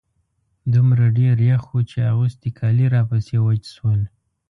دومره ډېر يخ و چې اغوستي کالي راپسې وچ شول.